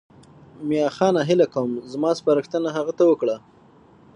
میاخانه هیله کوم زما سپارښتنه هغه ته وکړه.